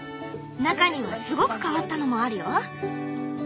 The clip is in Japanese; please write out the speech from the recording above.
中にはすごく変わったのもあるよ。